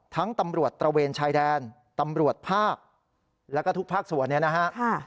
ตำรวจตระเวนชายแดนตำรวจภาคแล้วก็ทุกภาคส่วนเนี่ยนะฮะ